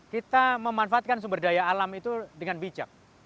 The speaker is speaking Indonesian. kita memanfaatkan sumber daya alam itu dengan bijak